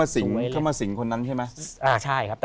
สวยมากใช่มั้ย